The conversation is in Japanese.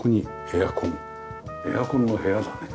エアコンの部屋だね。